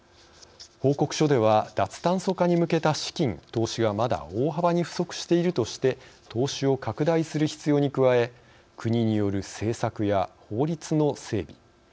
報告書では脱炭素化に向けた資金・投資がまだ大幅に不足しているとして投資を拡大する必要に加え国による政策や法律の整備